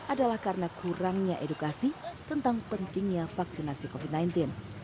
adalah karena kurangnya edukasi tentang pentingnya vaksinasi covid sembilan belas